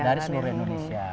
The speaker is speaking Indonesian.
dari seluruh indonesia